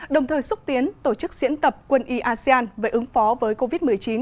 đồng thời xúc tiến tổ chức diễn tập quân y asean về ứng phó với covid một mươi chín